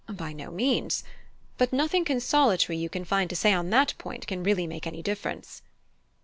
"By no means; but nothing consolatory you can find to say on that point can really make any difference."